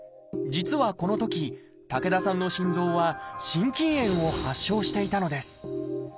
実はこのとき竹田さんの心臓は「心筋炎」を発症していたのです。